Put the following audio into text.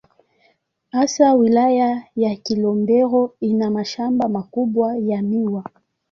Hasa Wilaya ya Kilombero ina mashamba makubwa ya miwa.